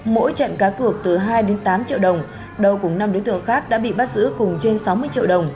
mỗi trận cá cược từ hai đến tám triệu đồng đầu cùng năm đối tượng khác đã bị bắt giữ cùng trên sáu mươi triệu đồng